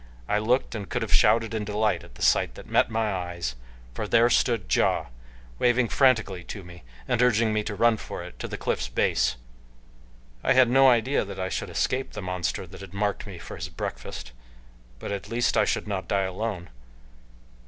I looked and could have shouted in delight at the sight that met my eyes, for there stood Ja, waving frantically to me, and urging me to run for it to the cliff's base. I had no idea that I should escape the monster that had marked me for his breakfast, but at least I should not die alone.